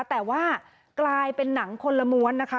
แต่ว่ากลายเป็นหนังคนละม้วนนะคะ